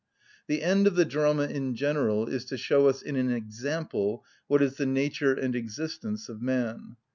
The end of the drama in general is to show us in an example what is the nature and existence of man.